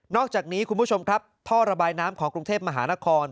นอกจากนี้ท่อระบายน้ำของกรุงเทพฯมหานคร